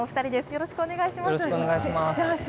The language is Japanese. よろしくお願いします。